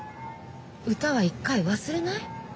歌は一回忘れない？